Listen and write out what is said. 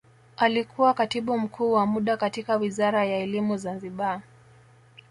alikuwa katibu mkuu wa muda katika wizara ya elimu zanzibar